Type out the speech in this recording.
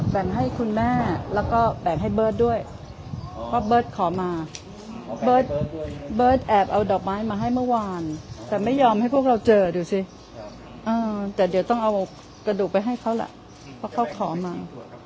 แบ่งให้คุณแม่แล้วก็แบ่งให้เบิร์ตด้วยเพราะเบิร์ตขอมาเบิร์ตเบิร์ตแอบเอาดอกไม้มาให้เมื่อวานแต่ไม่ยอมให้พวกเราเจอดูสิแต่เดี๋ยวต้องเอากระดูกไปให้เขาล่ะเพราะเขาขอมา